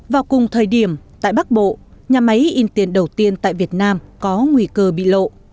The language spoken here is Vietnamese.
vào cùng thời điểm tại bắc bộ nhà máy in tiền đầu tiên tại việt nam có nguy cơ bị lộ